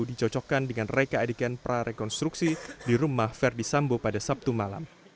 dicocokkan dengan reka adegan prarekonstruksi di rumah verdi sambo pada sabtu malam